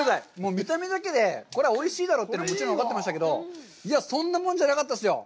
見た目だけでこれはおいしいだろうというのはもちろん分かっていましたけど、そんなもんじゃなかったですよ。